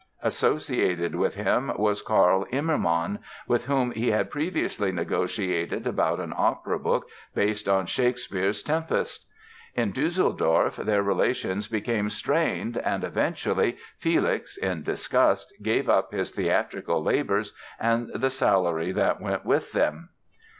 Associated with him was Karl Immermann, with whom he had previously negotiated about an opera book based on Shakespeare's "Tempest". In Düsseldorf their relations became strained and eventually Felix, in disgust, gave up his theatrical labours and the salary that went with them.